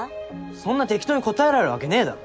そんな適当に答えられるわけねえだろ。